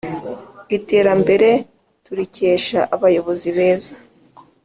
iterambere turikesha abayobozi beza